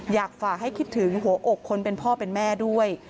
อยากฝากให้คิดถึงหัวอกคนเป็นพ่อเป็นแม่ด้วย